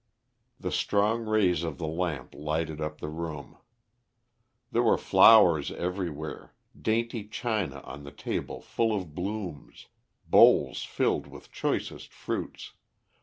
The strong rays of the lamp lighted up the room. There were flowers everywhere, dainty china on the table full of blooms, bowls filled with choicest fruits.